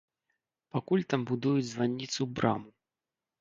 Пакуль там будуюць званніцу-браму.